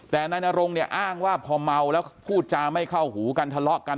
แต่นายนรงเนี่ยอ้างว่าพอเมาแล้วพูดจาไม่เข้าหูกันทะเลาะกัน